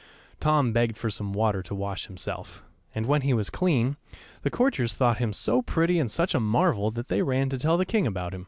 Tom begged for some water to wash himself, and when he was clean, the courtiers thought him so pretty and such a marvel that they ran to tell the king about him.